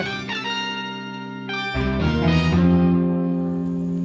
acil terancam bar